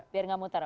biar tidak muter